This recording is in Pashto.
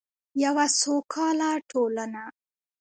یوه سوکاله ټولنه.